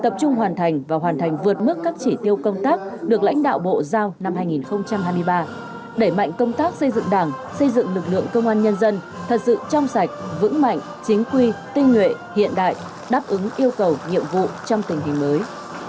tập trung hoàn thành và hoàn thành vượt mức các chỉ tiêu công tác được lãnh đạo bộ giao năm hai nghìn hai mươi ba đẩy mạnh công tác xây dựng đảng xây dựng lực lượng công an nhân dân thật sự trong sạch vững mạnh chính quy tinh nguyện hiện đại đáp ứng yêu cầu nhiệm vụ trong tình hình mới